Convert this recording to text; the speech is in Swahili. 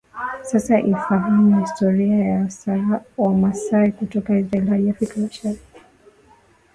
Sasa ifahamu historia ya Wamasai kutoka Israel hadi Afrika Mashariki